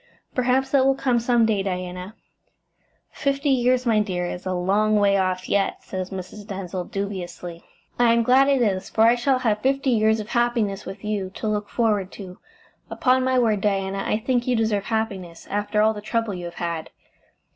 "Perhaps that will come some day, Diana." "Fifty years, my dear; it's a long way off yet," said Mrs. Denzil dubiously. "I am glad it is, for I shall have (D.V.,) fifty years of happiness with you to look forward to. Upon my word, Diana, I think you deserve happiness, after all the trouble you have had."